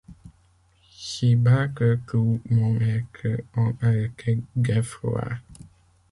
Si bas que tout mon être en haletait d'effroi